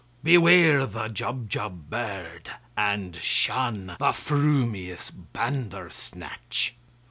Beware the Jubjub bird, and shunThe frumious Bandersnatch!"